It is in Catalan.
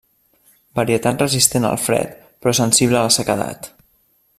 Varietat resistent al fred però sensible a la sequedat.